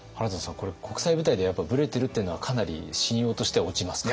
これ国際舞台でやっぱりブレてるっていうのはかなり信用としては落ちますか？